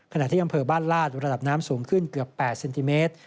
ขณะที่อำเภอบ้านลาดระดับน้ำสูงขึ้นเกือบ๘เซนติเมตร